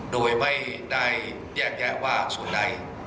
โดยไม่ได้แยกแยะว่าส่วนใด